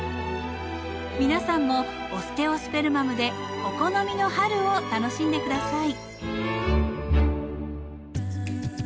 皆さんもオステオスペルマムでお好みの春を楽しんで下さい。